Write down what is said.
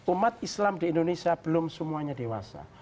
umat islam di indonesia belum semuanya dewasa